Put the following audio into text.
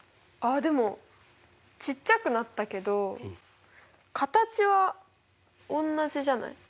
あでもちっちゃくなったけど形は同じじゃない？